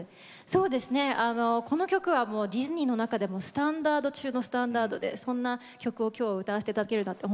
そうですねあのこの曲はディズニーの中でもスタンダード中のスタンダードでそんな曲を今日は歌わせて頂けるなんて